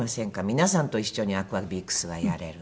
皆さんと一緒にアクアビクスはやれる。